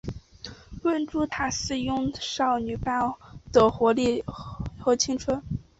朱文塔斯拥有少女般的青春和活力。